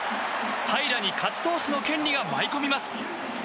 平良に勝ち投手の権利が舞い込みます。